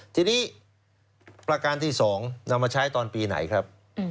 ทีนี้ประการที่๒นำมาใช้ตอนปีไหนครับ